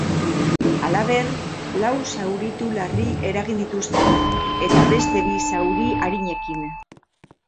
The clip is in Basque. Halaber, lau zauritu larri eragin dituzte, eta beste bi zauri arinekin.